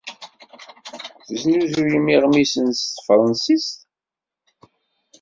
Tesnuzuyem iɣmisen s tefṛensist?